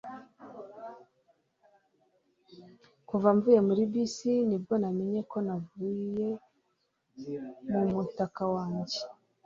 kuva mvuye muri bisi ni bwo namenye ko navuye mu mutaka wanjye